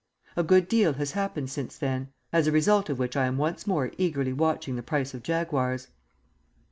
A good deal has happened since then; as a result of which I am once more eagerly watching the price of Jaguars.